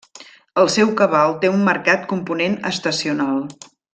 El seu cabal té un marcat component estacional.